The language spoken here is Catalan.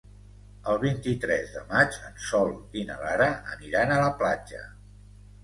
El vint-i-tres de maig en Sol i na Lara aniran a la platja.